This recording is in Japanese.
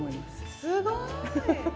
すごい！